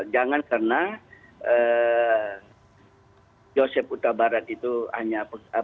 jangan karena joseph utabarat itu hanya perwira rendah